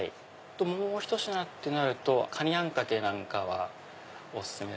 もうひと品ってなるとかにあんかけはお薦めですね。